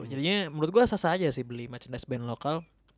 jadinya menurut gue sah sah aja sih beli merchandise band lokal